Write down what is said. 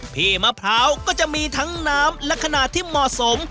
พี่มะพร้าวก็จะมีทั้งน้ำและขนาดที่เหมาะสม